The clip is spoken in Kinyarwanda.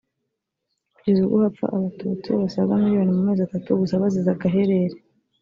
kugeza ubwo hapfa Abatutsi basaga miliyoni mu mezi atatu gusa bazize agaherere